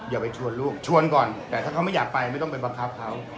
อย่าไปชวนลูกชวนก่อนแต่ถ้าเขาไม่อยากไปไม่ต้องไปบังคับเขา